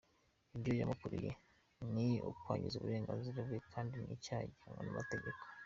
Ibyo yamukorewe, ni ukwangiza uburenganzira bwe kandi ni icyaha gihanwa n’amategeko.